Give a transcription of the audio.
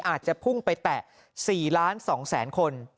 อาจจะพุ่งไปแตะ๔ล้าน๒แสนคน